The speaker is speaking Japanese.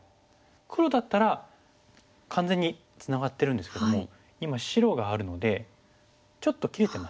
黒だったら完全にツナがってるんですけども今白があるのでちょっと切れてますよね。